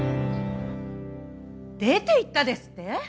出て行ったですって？